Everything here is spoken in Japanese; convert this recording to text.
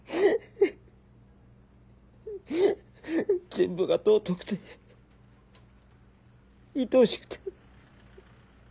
全部が尊くていとおしくて。